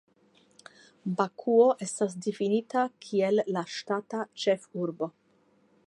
Bakuo estas difinita kiel la ŝtata ĉefurbo.